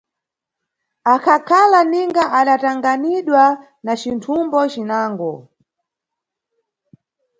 Akhakhala ninga adatanganidwa na cinthumbo cinango.